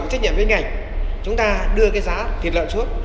trách nhiệm với ngành chúng ta đưa cái giá thịt lợn xuống